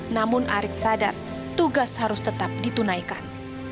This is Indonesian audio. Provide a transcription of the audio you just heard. namun arik sadar tugas harus tetap ditunaikan